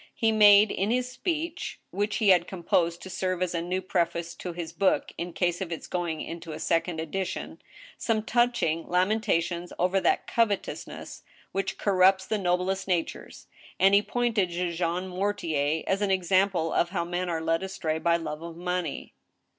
He made in his speech, which he had composed to serve as a new preface to his book in case of its going into a second edition, some touching lamentations over that coveteousness which corrupts the noblest natures, and he pointed to Jean Mortier as an example of how men are led astray by love of money.